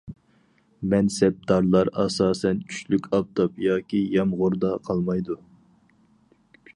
مەنسەپدارلار ئاساسەن كۈچلۈك ئاپتاپ ياكى يامغۇردا قالمايدۇ.